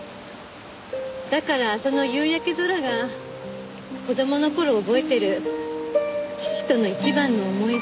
だからその夕焼け空が子供の頃覚えてる父との一番の思い出。